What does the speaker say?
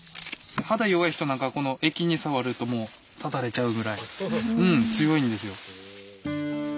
肌弱い人なんかこの液に触るともうただれちゃうぐらい強いんですよ。